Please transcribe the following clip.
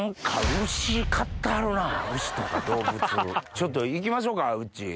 ちょっと行きましょうかウッチー。